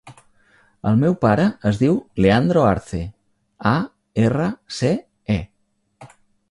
El meu pare es diu Leandro Arce: a, erra, ce, e.